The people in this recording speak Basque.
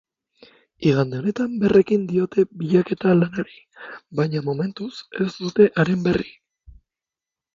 Igande honetan berrekin diote bilaketa-lanari, baina momentuz ez dute haren berri.